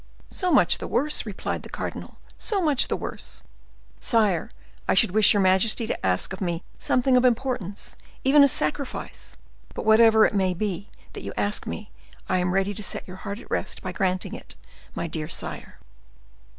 "So much the worse!" replied the cardinal; "so much the worse! Sire, I should wish your majesty to ask of me something of importance, even a sacrifice; but whatever it may be that you ask me, I am ready to set your heart at rest by granting it, my dear sire."